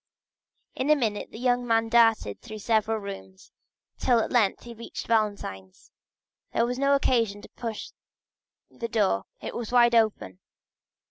In a minute the young man darted through several rooms, till at length he reached Valentine's. There was no occasion to push the door, it was wide open.